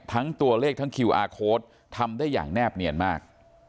ทั้งตัวเลขทั้งคิวอาร์โค้ดทำได้อย่างแนบเนียนมาก